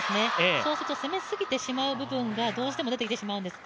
そうすると攻めすぎてしまう部分がどうしても出てきてしまうんです。